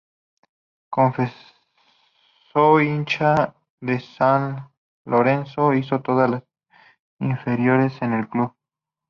Confeso hincha de San Lorenzo, hizo todas las inferiores en el club.